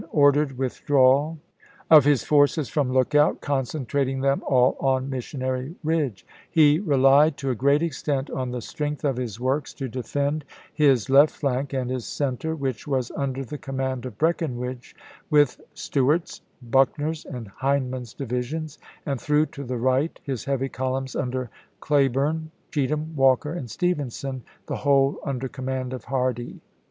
ordered the withdrawal of his forces from Lookout, concentrating them all on Missionary Ridge. He relied to a great extent on the strength of his works to defend his left flank and his center, which was under the command of Breckinridge, with Stew art's, Buckner's, and Hindman's divisions, and threw to the right his heavy columns under Cle burne, Cheatham, Walker, and Stevenson, the whole under command of Hardee.